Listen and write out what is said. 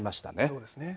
そうですね。